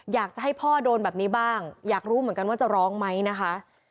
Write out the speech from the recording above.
อยากจะให้พ่อโดนแบบนี้บ้างอยากรู้เหมือนกันว่าจะร้องไหมนะคะ